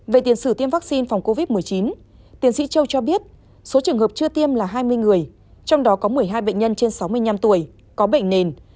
về tiền sử tiêm vaccine phòng covid một mươi chín tiến sĩ châu cho biết số trường hợp chưa tiêm là hai mươi người trong đó có một mươi hai bệnh nhân trên sáu mươi năm tuổi có bệnh nền